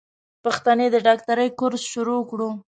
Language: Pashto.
پښتنې د ډاکټرۍ کورس شروع کړو.